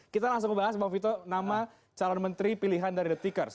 kita langsung membahas bang vito nama calon menteri pilihan dari the tickers